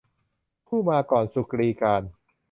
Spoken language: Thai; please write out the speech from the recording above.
ผู้มาก่อนสุกรีกาล